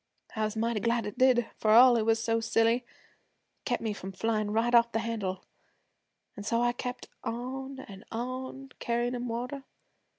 'I was mighty glad it did. For all it was so silly, it kept me from flyin' right off the handle. An' so I kept on an' on, carryin' 'em water.